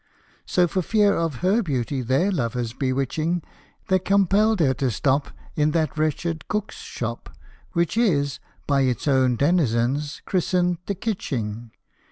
So for fear of her beauty their lovers bewitching, They compelled her to stop In that wretched cook's shop Which is by its own denizens christened the " kitching."